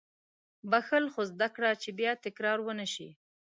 • بښل، خو زده کړه چې بیا تکرار ونه شي.